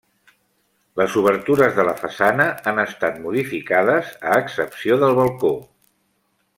Les obertures de la façana han estat modificades, a excepció del balcó.